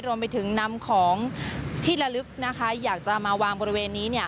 รวมไปถึงนำของที่ละลึกนะคะอยากจะมาวางบริเวณนี้